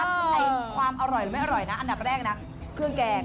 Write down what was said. น้องไม่ต้องพี่ชมพูถ้าไปถึงชุมชนตะเคียนเตี้ยเขาสอนให้ฟรีนะ